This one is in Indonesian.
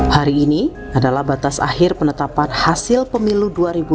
hari ini adalah batas akhir penetapan hasil pemilu dua ribu dua puluh